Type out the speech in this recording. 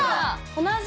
同じ！